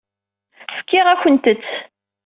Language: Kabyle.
Fkiɣ-akent-t.